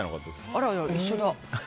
あら、一緒だ。